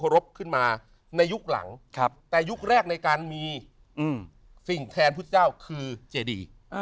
รบขึ้นมาในยุคหลังแต่ยุคแรกในการมีสิ่งแทนพุทธเจ้าคือเจดี